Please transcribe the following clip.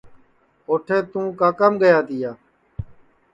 اوٹھے تُوں کاکام گیا